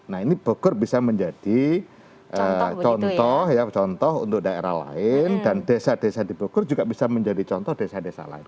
nah ini bogor bisa menjadi contoh ya contoh untuk daerah lain dan desa desa di bogor juga bisa menjadi contoh desa desa lain